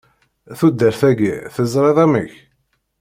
Tudert-agi, tezṛiḍ amek!